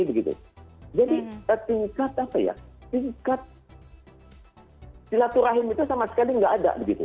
jadi tingkat silaturahim itu sama sekali tidak ada